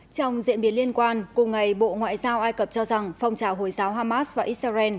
trong diễn biến liên quan cùng ngày bộ ngoại giao ai cập cho rằng phong trào hồi giáo hamas và israel